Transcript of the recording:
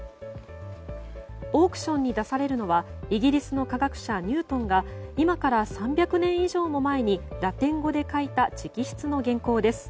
オークションに出されるのはイギリスの科学者ニュートンが今から３００年以上前にラテン語で書いた直筆の原稿です。